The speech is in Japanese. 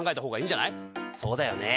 そうだよね。